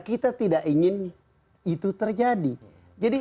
kita tidak ingin itu terjadi